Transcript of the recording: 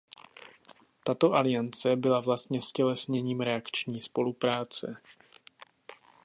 Tato aliance byla vlastně ztělesněním reakční spolupráce.